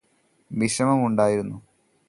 വിഷമമുണ്ടായിരുന്നു